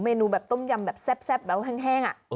เมนูแบบต้มยำแบบแซ่บแห้งอ่ะ